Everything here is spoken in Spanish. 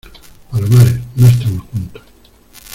palomares, no estamos juntos.